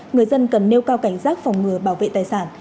người dân cần nêu cao cảnh giác phòng ngừa bảo vệ tài sản